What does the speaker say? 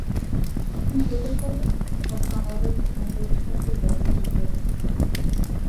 যখন তেলে চলে, তখন আলাদা একটি মোটরের সাহায্যে ব্যাটারি রিচার্জ হতে থাকে।